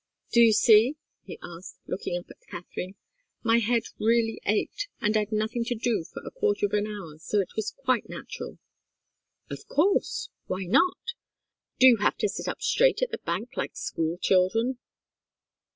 "Do you see?" he asked, looking up at Katharine. "My head really ached, and I'd nothing to do for a quarter of an hour, so it was quite natural." "Of course! Why not? Do you have to sit up straight at the bank, like school children?"